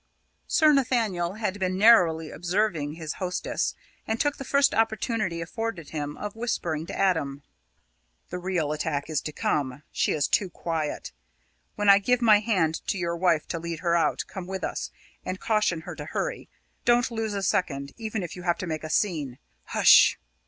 Sir Nathaniel had been narrowly observing his hostess, and took the first opportunity afforded him of whispering to Adam: "The real attack is to come she is too quiet. When I give my hand to your wife to lead her out, come with us and caution her to hurry. Don't lose a second, even if you have to make a scene. Hs s s h!"